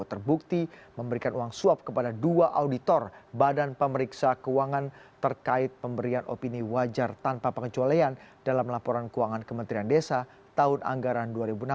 terbukti memberikan uang suap kepada dua auditor badan pemeriksa keuangan terkait pemberian opini wajar tanpa pengecualian dalam laporan keuangan kementerian desa tahun anggaran dua ribu enam belas